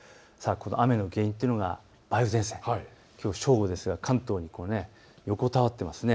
雨の原因というのが梅雨前線、きょう正午ですが関東に横たわっています。